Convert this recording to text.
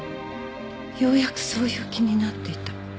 ようやくそういう気になっていた。